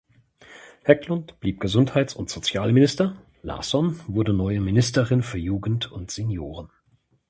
Hägglund blieb Gesundheits- und Sozialminister, Larsson wurde neue Ministerin für Jugend und Senioren.